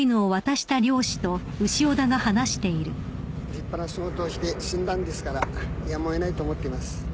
立派な仕事をして死んだんですからやむをえないと思っています